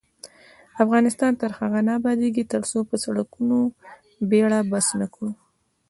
افغانستان تر هغو نه ابادیږي، ترڅو په سرکونو کې بیړه بس نکړو.